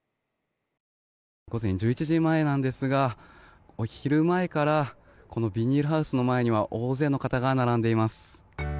午前１１時前なんですがお昼前からこのビニールハウスの前には大勢の方が並んでいます。